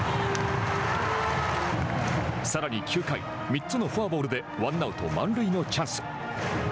さらに９回３つのフォアボールでワンアウト、満塁のチャンス。